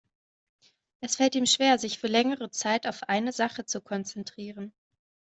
Es fällt ihm schwer, sich für längere Zeit auf eine Sache zu konzentrieren.